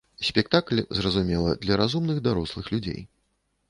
Спектакль, зразумела, для разумных дарослых людзей.